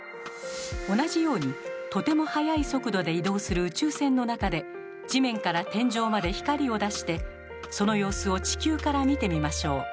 同じようにとても速い速度で移動する宇宙船の中で地面から天井まで光を出してその様子を地球から見てみましょう。